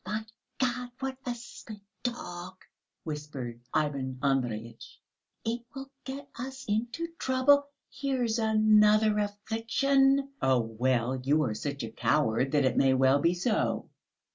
"Oh, my God, what a stupid dog!" whispered Ivan Andreyitch; "it will get us all into trouble. Here's another affliction!" "Oh, well, you are such a coward, that it may well be so."